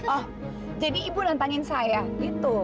oh jadi ibu nantangin saya gitu